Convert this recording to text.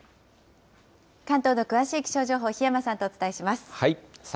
関東の詳しい気象情報、檜山さんとお伝えします。